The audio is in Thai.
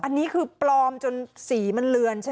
อันนี้คือปลอมจนสีมันเลือนใช่ไหม